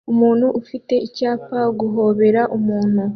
Umuntu ufite icyapa "Guhobera Ubuntu"